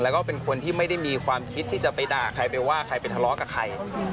แล้วก็เป็นคนที่ไม่ได้มีความคิดที่จะไปด่าใครไปว่าใครไปทะเลาะกับใคร